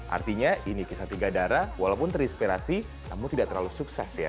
artinya ini kisah tiga darah walaupun terinspirasi namun tidak terlalu sukses ya